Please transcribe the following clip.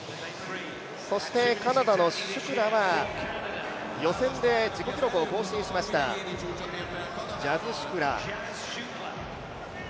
カナダのシュクラは予選で自己記録を更新しました、ジャズ・シュクラ。